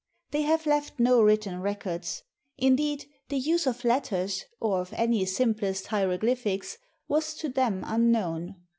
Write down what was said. They have left no written records; indeed, the use of letters, or of any simplest hieroglyphics, was to them unknown.